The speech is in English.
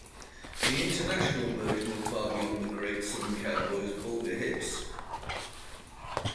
The International version of Far Beyond the Great Southern Cowboys' Vulgar Hits!